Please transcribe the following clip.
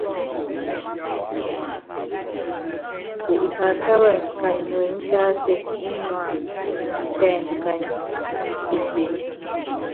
Iŋute ikakáwɛ kányi muenyí tásɛ, nínuána pɛɛndu kanyi pesèe.